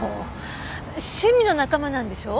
趣味の仲間なんでしょ？